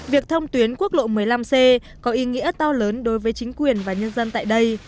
việc thông tuyến quốc lộ một mươi năm c có ý nghĩa to lớn đối với chính quyền và nhân dân tại đây